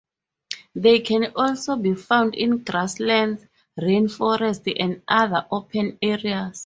They can also be found in grasslands, rain forests, and other open areas.